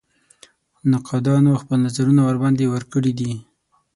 نقادانو خپل نظرونه ورباندې ورکړي دي.